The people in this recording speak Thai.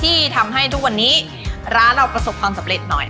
ที่ทำให้ทุกวันนี้ร้านเราประสบความสำเร็จหน่อย